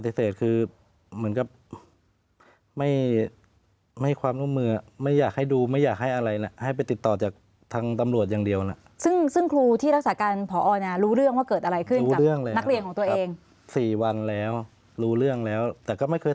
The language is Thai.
แต่ก็ไม่เคยถามว่าเด็กเป็นอย่างไร